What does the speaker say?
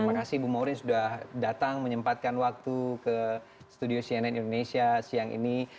terima kasih bu maurin sudah datang menyempatkan waktu ke studio cnn indonesia siang ini